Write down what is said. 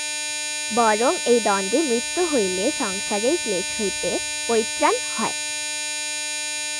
বরং এই দণ্ডে মৃত্যু হইলে সংসারের ক্লেশ হইতে পরিত্রাণ হয়।